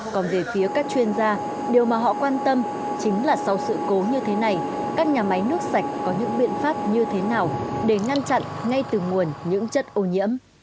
còn về phía các chuyên gia điều mà họ quan tâm chính là sau sự cố như thế này các nhà máy nước sạch có những biện pháp như thế nào để ngăn chặn ngay từ nguồn những chất ô nhiễm